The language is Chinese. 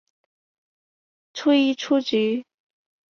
记一出局。